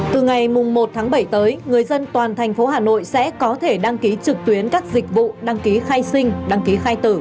từ ngày một tháng bảy tới người dân toàn thành phố hà nội sẽ có thể đăng ký trực tuyến các dịch vụ đăng ký khai sinh đăng ký khai tử